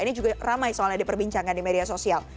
ini juga ramai soalnya diperbincangkan di media sosial